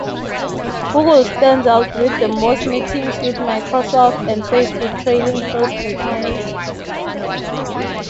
Google stands out with the most meetings with Microsoft and Facebook trailing close behind.